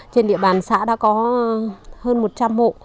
trên địa bàn xã đã có hơn một trăm linh hộ